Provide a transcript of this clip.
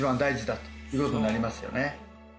だということになりますよね